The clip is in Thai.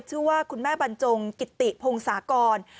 ชื่อว่าคุณแม่บรรจงกิติพงศากร